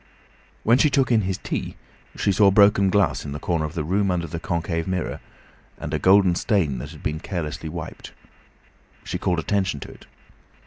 When she took in his tea she saw broken glass in the corner of the room under the concave mirror, and a golden stain that had been carelessly wiped. She called attention to it.